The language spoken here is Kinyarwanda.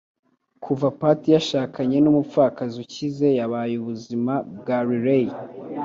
Kuva Pat yashakanye numupfakazi ukize, yabaye ubuzima bwa Riley